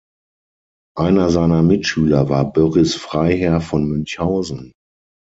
Einer seiner Mitschüler war Börries Freiherr von Münchhausen.